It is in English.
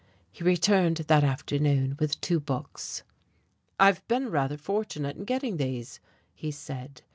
He returned that afternoon with two books. "I've been rather fortunate in getting these," he said.